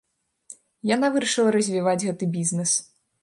Яна вырашыла развіваць гэты бізнес.